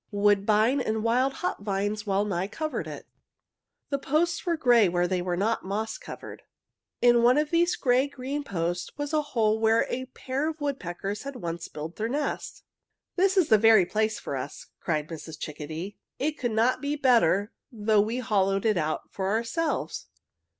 Woodbine and wild hop vines wellnigh covered it. The posts were gray where they were not moss covered. "In one of these gray green posts was a hole where a pair of woodpeckers had once built their nest. "'This is the very place for us!' cried Mrs. Chickadee. 'It could not be better though we hollowed it out for ourselves.'"